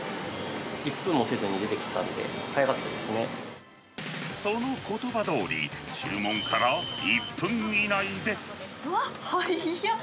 １分もせずに出てきたので、そのことばどおり、注文からうわっ、はやっ。